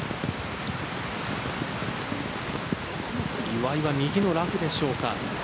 岩井は右のラフでしょうか。